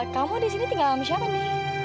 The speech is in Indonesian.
kamu di sini tinggal siapa nek